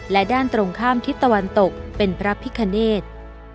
และด้านตรงข้ามทิศตะวันตกเป็นพระพิคเนธ